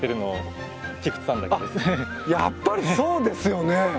あっやっぱりそうですよね。